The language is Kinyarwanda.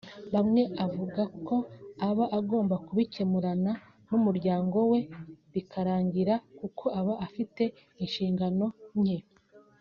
Bamwe bavuga ko aba agomba kubikemurana n’umuryango we bikarangira kuko aba afite inshingano nke